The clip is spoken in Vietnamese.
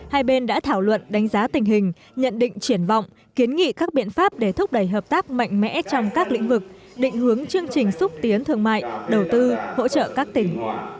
hai bên đã thảo luận đánh giá tình hình nhận định triển vọng kiến nghị các biện pháp để thúc đẩy hợp tác mạnh mẽ trong các lĩnh vực định hướng chương trình xúc tiến thương mại đầu tư hỗ trợ các tỉnh